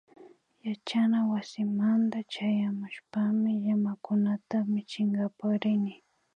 Yachanawasimanta chayamushpami llamakunata michinkapak rini